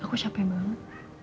aku capek banget